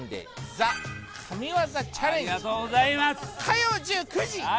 「ＴＨＥ神業チャレンジ」火曜１９時